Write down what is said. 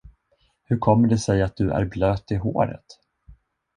Hur kommer det sig att du är blöt i håret?